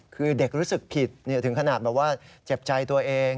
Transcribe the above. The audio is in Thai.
คือเด็กรู้สึกผิดถึงขนาดแบบว่าเจ็บใจตัวเอง